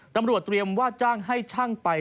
ตำรวจเตรียมว่าจ้างให้ช่างไป